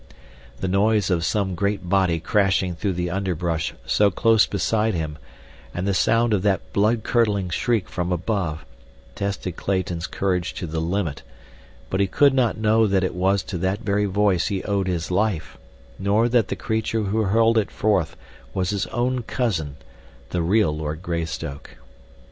The noise of some great body crashing through the underbrush so close beside him, and the sound of that bloodcurdling shriek from above, tested Clayton's courage to the limit; but he could not know that it was to that very voice he owed his life, nor that the creature who hurled it forth was his own cousin—the real Lord Greystoke.